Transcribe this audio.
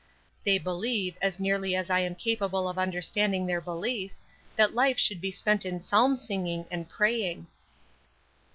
They believe, as nearly as I am capable of understanding their belief, that life should be spent in psalm singing and praying."